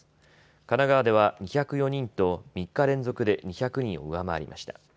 神奈川では２０４人と３日連続で２００人を上回りました。